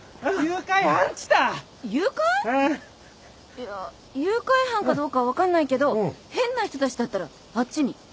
いや誘拐犯かどうかは分かんないけど変な人たちだったらあっちに。